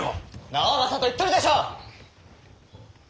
直政と言っとるでしょ！